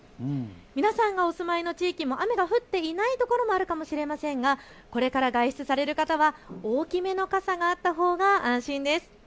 皆さんがお住まいの地域も雨が降っていないところがあるかもしれませんがこれから外出される方は大きめの傘があったほうが安心です。